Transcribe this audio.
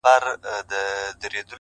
• ما به کیسه درته کول, راڅخه ورانه سوله,